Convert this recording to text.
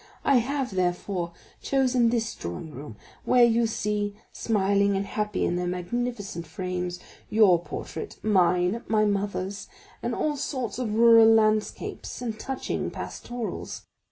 I have, therefore, chosen this drawing room, where you see, smiling and happy in their magnificent frames, your portrait, mine, my mother's, and all sorts of rural landscapes and touching pastorals.